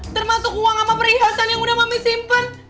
termasuk uang sama perhiasan yang udah mami simpen